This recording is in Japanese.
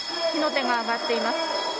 火の手が上がっています。